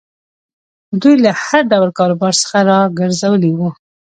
دوی له هر ډول کاروبار څخه را ګرځولي وو.